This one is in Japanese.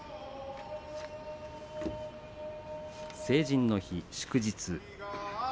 成人の日、祝日。